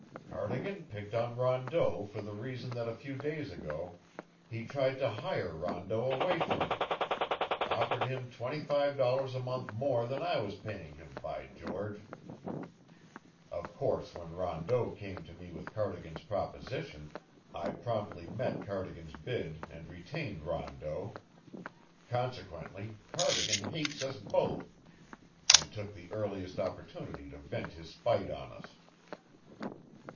Cardigan picked on Rondeau for the reason that a few days ago he tried to hire Rondeau away from me offered him twenty five dollars a month more than I was paying him, by George! Of course when Rondeau came to me with Cardigan's proposition, I promptly met Cardigan's bid and retained Rondeau; consequently Cardigan hates us both and took the earliest opportunity to vent his spite on us."